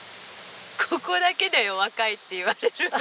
ここだけだよ若いって言われるの。